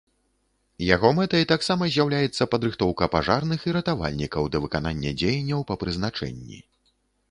Яго мэтай таксама з'яўляецца падрыхтоўка пажарных і ратавальнікаў да выканання дзеянняў па прызначэнні.